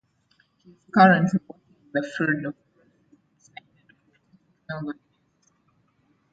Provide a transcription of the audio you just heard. He is currently working in the field of graphic design and computer technologies.